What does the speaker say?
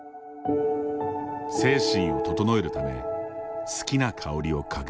精神を整えるため好きな香りを嗅ぐ。